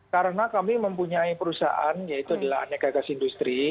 karena kami mempunyai perusahaan yaitu adalah anegagas industri